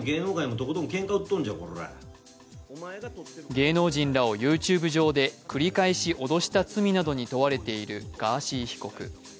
芸能人らをＹｏｕＴｕｂｅ上で繰り返し脅した罪などに問われているガーシー被告。